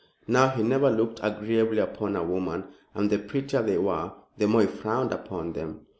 Now, he never looked agreeably upon a woman, and the prettier they were the more he frowned upon them.